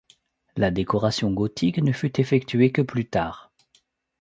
La décoration gothique ne fut effectuée que plus tard.